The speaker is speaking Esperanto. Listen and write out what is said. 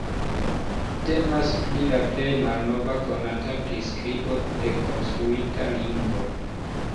Temas pri la plej malnova konata priskribo de konstruita lingvo.